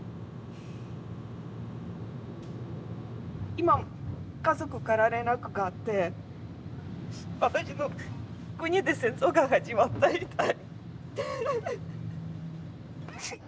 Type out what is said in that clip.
今、家族から連絡があって私の国で戦争が始まったみたい。